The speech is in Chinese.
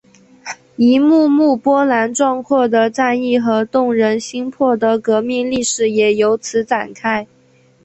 一幕幕波澜壮阔的战役和动人心魄的革命历史也由此展开。